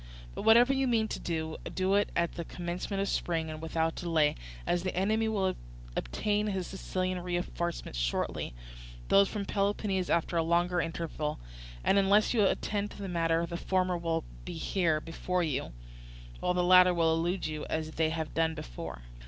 But whatever you mean to do, do it at the commencement of spring and without delay, as the enemy will obtain his Sicilian reinforcements shortly, those from Peloponnese after a longer interval; and unless you attend to the matter the former will be here before you, while the latter will elude you as they have done before."